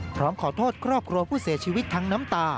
พร้อมขอโทษครอบครัวผู้เสียชีวิตทั้งน้ำตา